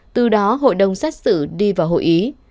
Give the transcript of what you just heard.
từ đó hội đồng xét xử đi vào hội ý